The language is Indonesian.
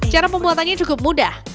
cara pembuatannya cukup mudah